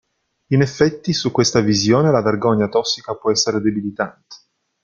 In effetti, su questa visione la vergogna tossica può essere debilitante.